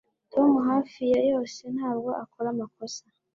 Tom hafi ya yose ntabwo akora amakosa